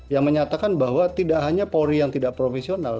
yang menyatakan bahwa tidak hanya polri yang tidak profesional